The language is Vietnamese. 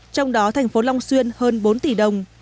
trong đó thành phố long xuyên hơn bốn tỷ đồng